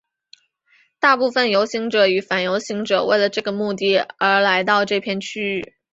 大部分的游行者与反游行者为了这个目的而来到这片区域。